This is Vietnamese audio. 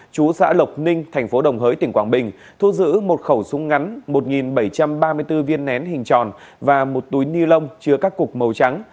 chú xã lộc ninh thành phố đồng hới tỉnh quảng bình thu giữ một khẩu súng ngắn một bảy trăm ba mươi bốn viên nén hình tròn và một túi ni lông chứa các cục màu trắng